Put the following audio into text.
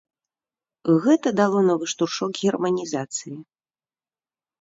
Гэта дало новы штуршок германізацыі.